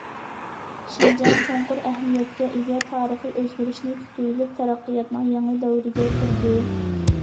شىنجاڭ چوڭقۇر ئەھمىيەتكە ئىگە تارىخىي ئۆزگىرىشنى كۈتۈۋېلىپ، تەرەققىياتنىڭ يېڭى دەۋرىگە كىردى.